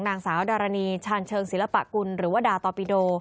นางสาวดารณีชาญเชิงศิลปะกุลหรือว่าดาตอปิโด